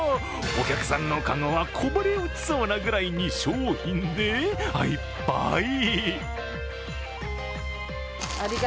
お客さんの籠はこぼれ落ちそうなぐらいに商品でいっぱい。